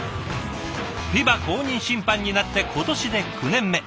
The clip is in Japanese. ＦＩＢＡ公認審判になって今年で９年目。